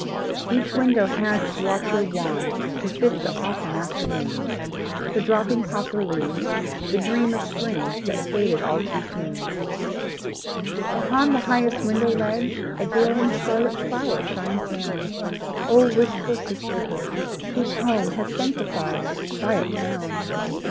Each window has its watcher wan To fit the autumn afternoon, The dropping poplar leaves, the dream Of spring that faded all too soon. Upon the highest window ledge A glowing scarlet flower shines down. Oh, wistful sisterhood, whose home Has sanctified this quiet town!